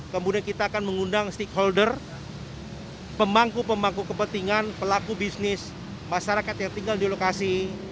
kemudian kita akan mengundang stakeholder pemangku pemangku kepentingan pelaku bisnis masyarakat yang tinggal di lokasi